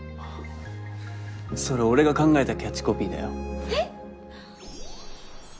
それ俺が考えたキャッチコピーだよえっ！？